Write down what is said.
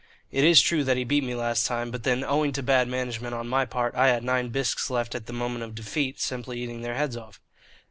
It is true that he beat me last time, but then owing to bad management on my part I had nine bisques left at the moment of defeat simply eating their heads off.